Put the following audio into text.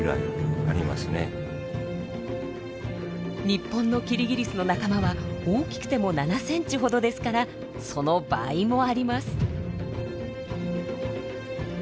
日本のキリギリスの仲間は大きくても７センチほどですからその倍もあります。